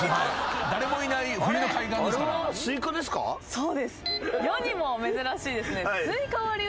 そうです。